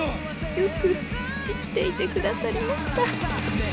よく生きていてくださりました。